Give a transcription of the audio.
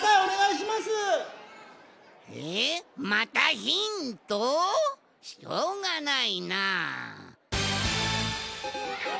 しょうがないなあ。